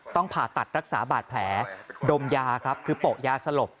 ผ่าตัดรักษาบาดแผลดมยาครับคือโปะยาสลบ